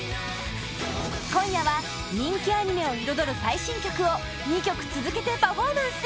今夜は人気アニメを彩る最新曲を２曲続けてパフォーマンス